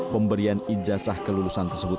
pemberian ijazah kelulusan tersebut